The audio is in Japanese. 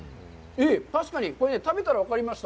確かに、これ食べたら分かりました。